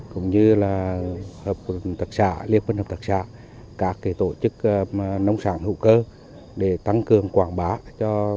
cũng như liên quân hợp thật xã các tổ chức nông sản hữu cơ để tăng cường quảng bá cho thanh trà